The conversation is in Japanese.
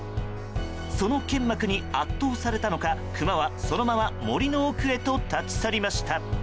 その剣幕に圧倒されたのかクマはそのまま森の奥へと立ち去りました。